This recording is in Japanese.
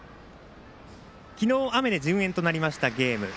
昨日雨で順延となりましたゲーム。